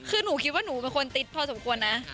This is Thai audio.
คือหนูคิดว่าหนูเป็นคนติ๊ดพอสมควรนะ